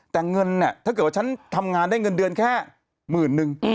แต่เงินเนี่ยถ้าเกิดว่าฉันทำงานได้เงินเดือนแค่หมื่นนึง